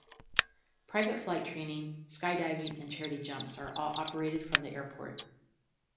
Private flight training, skydiving and charity jumps are all operated from the airport.